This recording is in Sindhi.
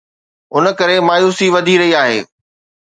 ان ڪري مايوسي وڌي رهي آهي.